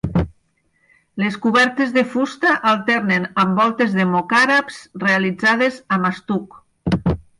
Les cobertes de fusta alternen amb voltes de mocàrabs realitzades amb estuc.